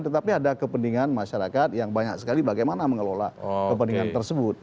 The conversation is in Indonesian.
tetapi ada kepentingan masyarakat yang banyak sekali bagaimana mengelola kepentingan tersebut